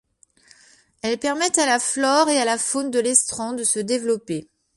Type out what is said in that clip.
Elles permettent à la flore et à la faune de l'estran de se développer.